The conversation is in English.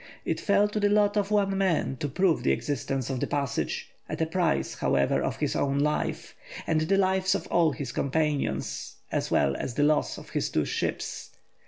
It fell to the lot of one man to prove the existence of the passage, at a price, however, of his own life, and the lives of all his companions, as well as the loss of his two ships.